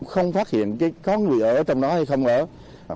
không phát hiện có người ở trong đó hay không ở